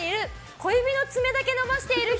小指の爪だけ伸ばしている人！